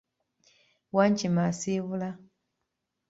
Wankima asiibula!